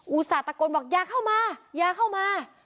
อุตสาหรับตะโกนบอกยาเข้ามายาเข้ามา